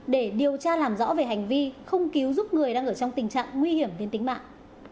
để điều tra làm rõ về hành vi không cứu giúp người đang ở trong tình trạng nguy hiểm đến tính mạng